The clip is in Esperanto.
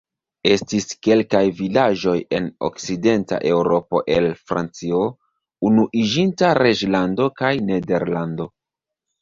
Estis kelkaj vidaĵoj en Okcidenta Eŭropo el Francio, Unuiĝinta Reĝlando kaj Nederlando.